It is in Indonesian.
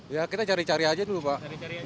ya kita cari cari aja dulu pak